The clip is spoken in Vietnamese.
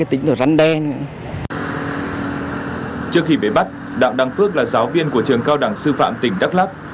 trước khi bế bắt đảng đăng phước là giáo viên của trường cao đẳng sư phạm tỉnh đắk lắc